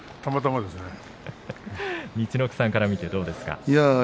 陸奥さんから見てどうですか？